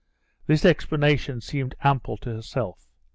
This explanation seemed ample to herself.